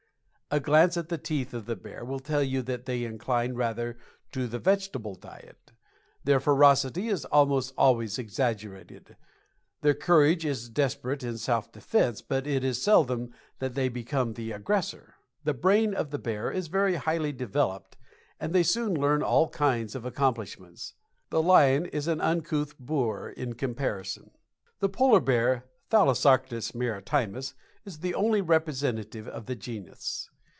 A glance at the teeth of the bear will tell you that they incline rather to the vegetable diet. Their ferocity is almost always exaggerated. Their courage is desperate in self defense, but it is seldom that they become the aggressor. The brain of the bear is very highly developed, and they soon learn all kinds of accomplishments. The lion is an uncouth boor in comparison. The Polar Bear, Thalassarctos Maritimus, is the only representative of the genus.